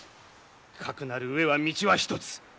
かくなる上は道は一つ。